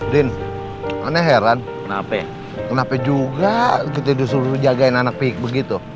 din karena heran kenapa ya kenapa juga kita disuruh jagain anak pik begitu